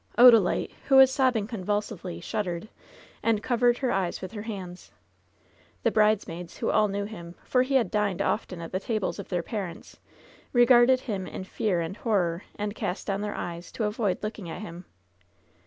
Odalite, who was sobbing convulsively, shuddered, and covered her eyes with her hands. The bridesmaids, who all knew him, for he had dined often at the tables of their parents, regarded him in fear and horror, and cast down their eyes to avoid look ing at him.